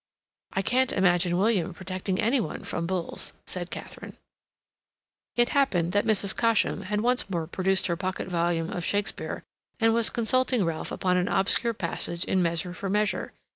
"I can't imagine William protecting any one from bulls," said Katharine. It happened that Mrs. Cosham had once more produced her pocket volume of Shakespeare, and was consulting Ralph upon an obscure passage in "Measure for Measure."